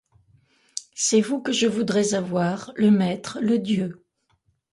C'est vous que je voudrais avoir, le maître, le dieu.